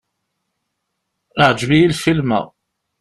Iɛǧeb-iyi lfilm-a.